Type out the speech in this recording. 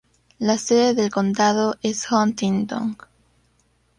La sede del condado es Huntingdon.